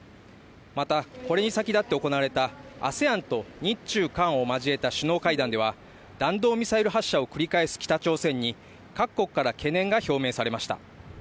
また、これに先立って行われたＡＳＥＡＮと日中韓を交えた首脳会談では弾道ミサイル発射を繰り返す北朝鮮に各国から懸念が表明されました。